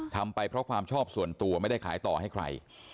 ทำไปเพราะความชอบส่วนตัวไม่ได้ขายต่อให้ใคร